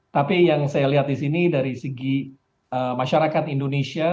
tapi yang saya lihat di sini dari segi masyarakat indonesia